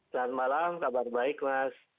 selamat malam kabar baik mas